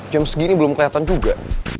jam segini belum kelihatan juga